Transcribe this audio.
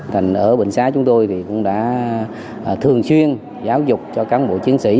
thành ở bệnh xá chúng tôi thì cũng đã thường xuyên giáo dục cho cán bộ chiến sĩ